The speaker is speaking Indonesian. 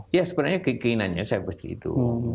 ya sebenarnya keinginannya saya pasti itu